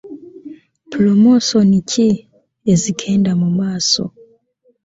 Pulomosoni ki ezigenda mu maaso?